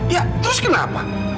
ya terus kenapa